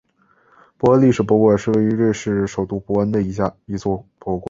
伯恩历史博物馆是位于瑞士首都伯恩的一座博物馆。